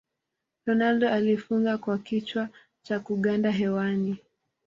ronaldo alifunga kwa kichwa cha kuganda hewani